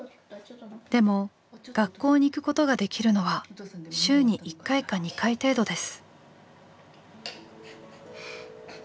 でも学校に行くことができるのは週に１回か２回程度です。